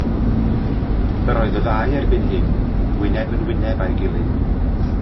Yr oedd y ddau erbyn hyn wyneb yn wyneb a'i gilydd.